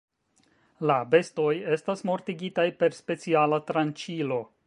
La bestoj estas mortigitaj per speciala tranĉilo.